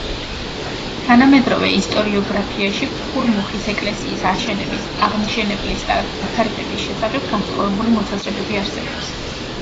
თანამედროვე ისტორიოგრაფიაში ქურმუხის ეკლესიის აშენების, აღმშენებლის და დათარიღების შესახებ განსხვავებული მოსაზრებები არსებობს.